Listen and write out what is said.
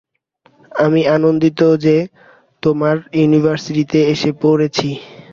আমি আনন্দিত যে তোমার ইউনিভার্সে এসে পড়েছি।